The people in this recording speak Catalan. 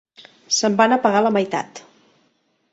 Se'n van apagar la meitat